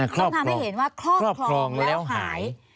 ครอบครองครอบครองแล้วหาย